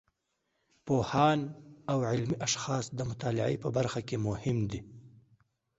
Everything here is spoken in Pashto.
پوهان او علمي اشخاص د مطالعې په برخه کې مهم دي.